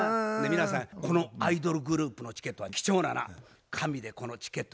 皆さんこのアイドルグループのチケットは貴重なな紙でこのチケットになったってね